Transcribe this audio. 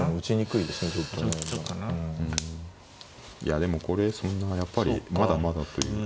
うんいやでもこれそんなやっぱりまだまだという。